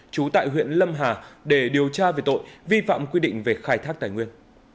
trú tại huyện lâm hà để điều tra về tội vi phạm quy định về khai thác tài nguyên